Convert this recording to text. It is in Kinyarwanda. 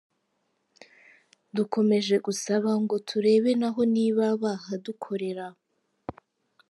Dukomeje gusaba ngo turebe naho niba bahadukorera.